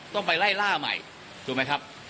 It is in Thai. ต้องไปไล่ล่าใหม่ถูกไหมครับ